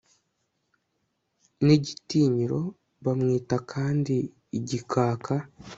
nigitinyiro. bamwita kandi igikaka